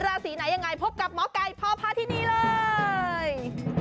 ราศีไหนยังไงพบกับหมอไก่พอพาที่นี่เลย